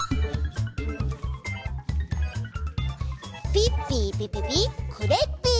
ピッピーピピピクレッピー！